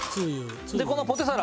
でこのポテサラ。